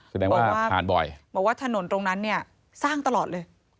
แสดงว่าผ่านบ่อยคุณผู้ชมดูเราอยู่ที่ถนนสุวินทวงน่าจะเยอะนะคะส่งข้อความมาเยอะเหมือนกัน